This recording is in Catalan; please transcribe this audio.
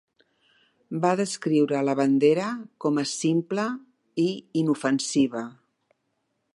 Va descriure la bandera com a simple i inofensiva.